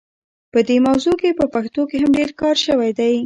په دې موضوع په پښتو کې هم ډېر کار شوی دی.